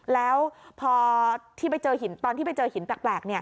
แล้วตอนที่ไปเจอหินตักแปลก